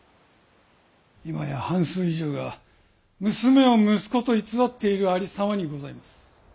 今や半数以上が娘を息子と偽っているありさまにございます。